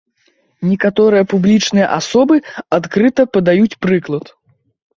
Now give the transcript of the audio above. Некаторыя публічныя асобы адкрыта падаюць прыклад.